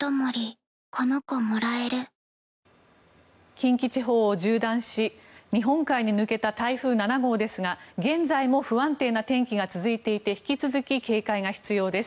近畿地方を縦断し日本海に抜けた台風７号ですが現在も不安定な天気が続いていて引き続き警戒が必要です。